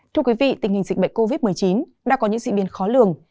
thưa quý vị tình hình dịch bệnh covid một mươi chín đã có những diễn biến khó lường